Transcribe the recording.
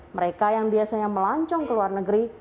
mereka yang biasanya melancong ke luar negeri